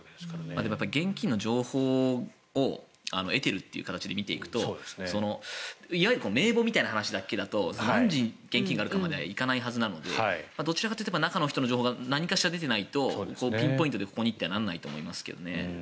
でも現金の情報を得ているという形で見ていくといわゆる名簿みたいな話だけだと何時に現金があるかまではいかないと思うのでどちらかというと中の人の情報が何かしら出てないとピンポイントでここにとはならないと思いますけどね。